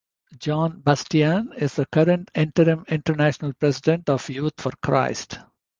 John Bastian is the current interim International President of Youth for Christ.